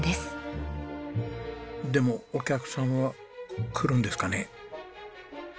でもお客さんは来るんですかね？